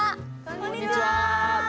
こんにちは！